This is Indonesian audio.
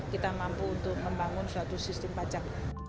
kita mampu untuk membangun suatu sistem pajak